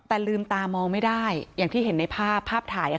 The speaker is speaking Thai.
แต่ลืมตามองไม่ได้อย่างที่เห็นในภาพภาพถ่าย